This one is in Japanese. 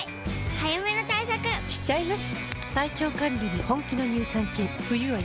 早めの対策しちゃいます。